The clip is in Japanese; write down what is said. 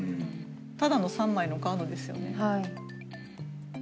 ただの３枚のカードですよね。